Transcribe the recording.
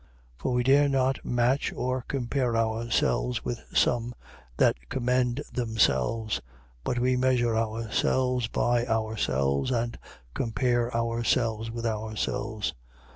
10:12. For we dare not match or compare ourselves with some that commend themselves: but we measure ourselves by ourselves and compare ourselves with ourselves.